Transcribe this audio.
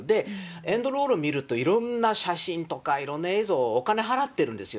エンドロール見ると、いろんな写真とか、いろんな映像、お金払ってるんですよ。